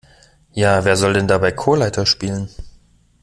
Ja, wer soll denn dabei Chorleiter spielen?